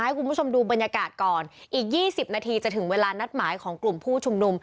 ให้คุณผู้ชมดูบรรยากาศก่อนอีก๒๐นาทีจะถึงเวลานัดหมายของกลุ่มผู้ชุมนุม